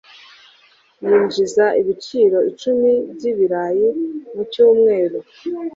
Yinjiza ibiro icumi by’ibirayi mu cyumweru.